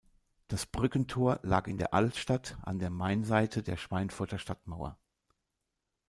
Das Brückentor lag in der Altstadt an der Mainseite der Schweinfurter Stadtmauer.